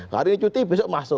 hari ini cuti besok masuk